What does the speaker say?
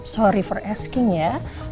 maaf untuk bertanya